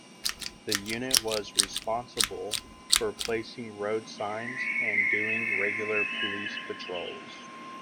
The unit was responsible for placing road signs and doing regular police patrols.